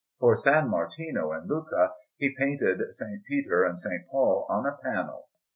For S. Martino in Lucca he painted S. Peter and S. Paul on a panel.